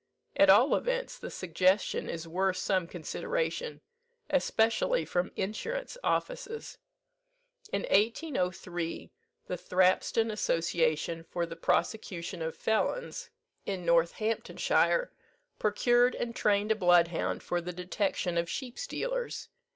At all events the suggestion is worth some consideration, especially from insurance offices. In 1803, the Thrapston Association for the Prosecution of Felons in Northamptonshire, procured and trained a bloodhound for the detection of sheep stealers.